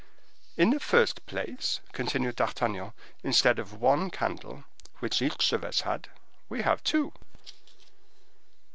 "In the first place," continued D'Artagnan, "instead of one candle, which each of us had, we have two."